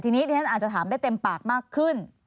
ทีนี้ดิฉันอาจจะถามได้เต็มปากมากขึ้น